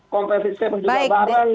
kompetitif juga bareng